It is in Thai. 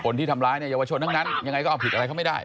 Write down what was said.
คนที่ทำร้ายเนี่ยเยาวชนทั้งนั้นยังไงก็เอาผิดอะไรเขาไม่ได้